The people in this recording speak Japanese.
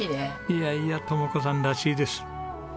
いやいや智子さんらしいです。